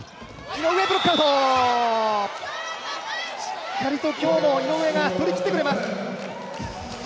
しっかりと今日も井上が振り切ってくれます。